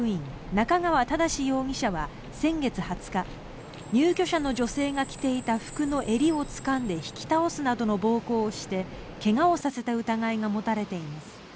中川忠容疑者は先月２０日入居者の女性が着ていた服の襟をつかんで引き倒すなどの暴行をして怪我をさせた疑いが持たれています。